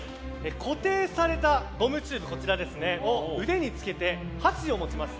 固定されたゴムチューブを腕につけて箸を持ちます。